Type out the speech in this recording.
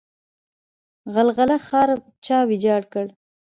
غلغله ښار چا ویجاړ کړ؟